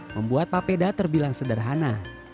membuat papeda terbilang sederhana